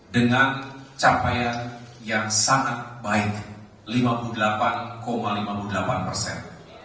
dengan capaian yang sangat baik lima puluh delapan lima puluh delapan persen